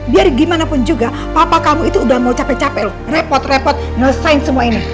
biar gimana pun juga papa kamu itu udah mau capek capek loh repot repot ngelesain semua ini